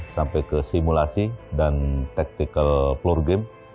sampai ke simulasi dan tactical plore game